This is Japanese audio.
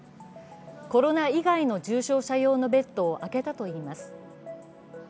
コロナ以外の重症者用のベッドをあけたといいます。